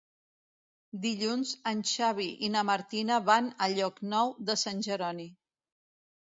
Dilluns en Xavi i na Martina van a Llocnou de Sant Jeroni.